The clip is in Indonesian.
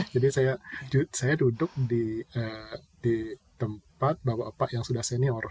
jadi saya duduk di tempat bapak bapak yang sudah senior